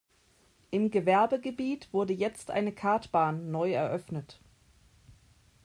Im Gewerbegebiet wurde jetzt eine Kartbahn neu eröffnet.